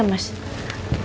ini juga yang saya beli ya